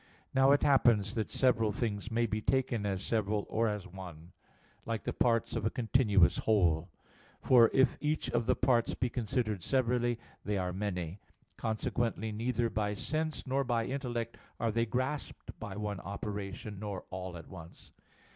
Now it happens that several things may be taken as several or as one; like the parts of a continuous whole. For if each of the parts be considered severally they are many: consequently neither by sense nor by intellect are they grasped by one operation, nor all at once.